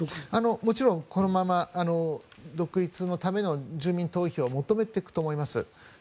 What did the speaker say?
もちろんこのまま独立のための住民投票を求めていくと思います。